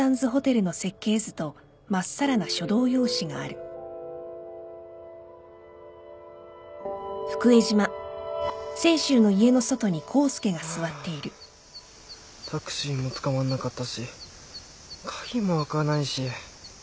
ハァタクシーもつかまんなかったし鍵も開かないし。